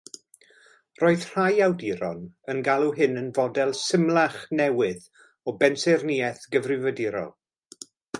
Roedd rhai awduron yn galw hyn yn “fodel” symlach newydd o bensaernïaeth gyfrifiadurol.